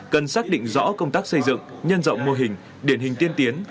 cần xác định rõ công tác xây dựng nhân rộng mô hình điển hình tiên tiến